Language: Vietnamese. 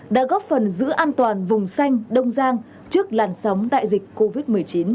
đã góp phần giữ an toàn vùng xanh đông giang trước làn sóng đại dịch covid một mươi chín